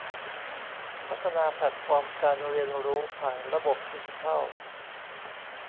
พัฒนาแพลตฟอร์มการเรียนรู้ผ่านระบบดิจิทัล